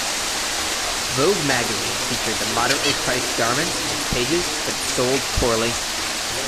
Vogue magazine featured the moderately priced garments in its pages, but it sold poorly.